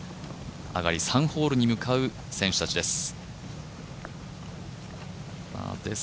上がり３ホールに向かう選手たちです。